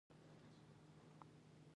د هرات تاریخي ځایونه ډیر دي